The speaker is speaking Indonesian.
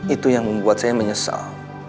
itu yang membuat saya menyesal